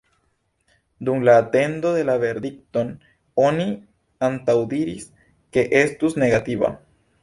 Dum la atendo de la verdikton oni antaŭdiris ke estus negativa.